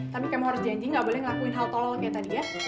tapi kamu harus janji gak boleh ngelakuin haltel kayak tadi ya